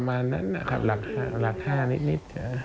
ประมาณนั้นนะครับหลัก๕นิด